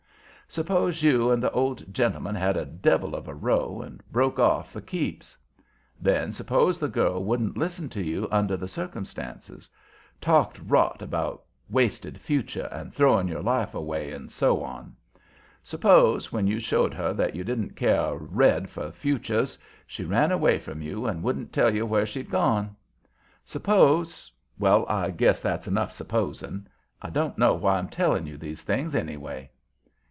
Suppose you and the old gentleman had a devil of a row, and broke off for keeps. Then suppose the girl wouldn't listen to you under the circumstances. Talked rot about 'wasted future' and 'throwing your life away' and so on. Suppose, when you showed her that you didn't care a red for futures, she ran away from you and wouldn't tell where she'd gone. Suppose well, I guess that's enough supposing. I don't know why I'm telling you these things, anyway."